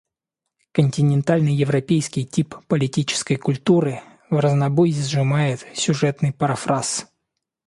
Континентально-европейский тип политической культуры вразнобой сжимает сюжетный парафраз.